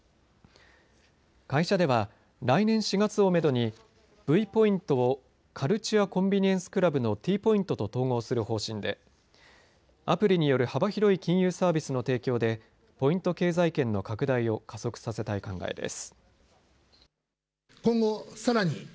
会社では来年４月をめどにＶポイントをカルチュア・コンビニエンス・クラブのＴポイントと統合する方針で、アプリによる幅広い金融サービスの提供でポイント経済圏の拡大を加速させたい考えです。